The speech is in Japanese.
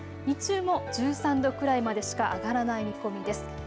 日中も１３度くらいまでしか上がらない見込みです。